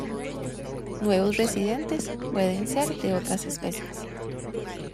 Nuevos residentes pueden ser de otras especies.